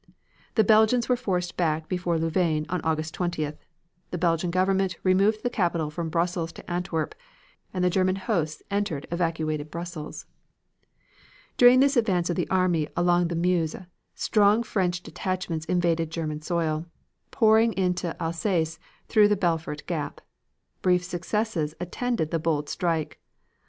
The Belgians were forced back before Louvain on August 20th, the Belgian Government removed the capital from Brussels to Antwerp, and the German hosts entered evacuated Brussels. During this advance of the Army of the Meuse, strong French detachments invaded German soil, pouring into Alsace through the Belfort Gap. Brief successes attended the bold stroke.